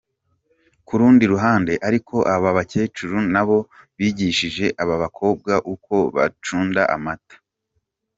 Ku rundi ruhande ariko, aba bakecuru nabo bigishije aba bakobwa uko bacunda amata.